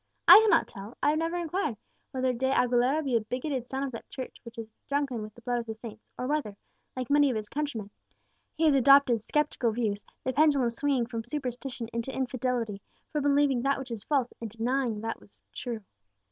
I cannot tell I have never inquired whether De Aguilera be a bigoted son of that Church which is drunken with the blood of the saints, or whether, like many of his countrymen, he has adopted sceptical views, the pendulum swinging from superstition into infidelity from believing that which is false, into denying that which is true.